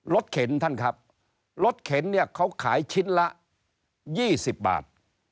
เข็นท่านครับรถเข็นเนี่ยเขาขายชิ้นละ๒๐บาท